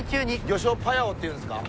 魚礁パヤオっていうんすか？